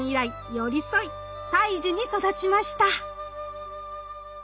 寄り添い大樹に育ちました。